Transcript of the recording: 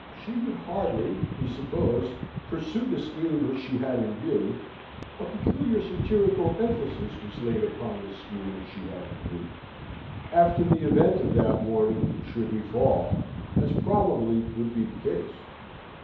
She would hardly, he supposed, pursue the scheme which she had in view (a peculiar satirical emphasis was laid upon the scheme which she had in view), after the event of that morning, should he fall, as, probably, would be the case.